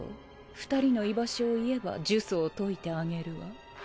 ２人の居場所を言えば呪詛を解いてあげるわ。